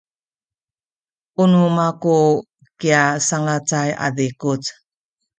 u nu maku kya sanglacay a zikuc.